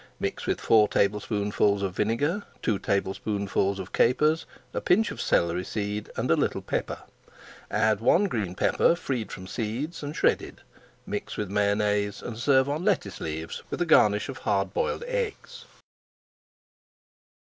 Mix with four tablespoonfuls of vinegar, two tablespoonfuls of capers, a pinch of celery seed, and a little pepper. Add one green pepper freed from seeds and shredded. Mix with Mayonnaise and serve on lettuce leaves with a garnish of hard boiled eggs.